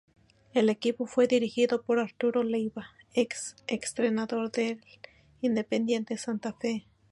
El equipo fue dirigido por Arturo Leyva, ex-entrenador de Independiente Santa Fe.